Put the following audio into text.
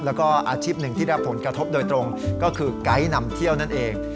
แล้วก็อาชีพหนึ่งที่รับผลกระทบโดยตรงก็คือไกด์นำเที่ยวนั่นเอง